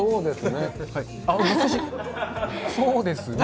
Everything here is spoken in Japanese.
そうですね。